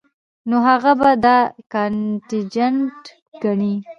نو هغه به دا کانټنجنټ ګڼي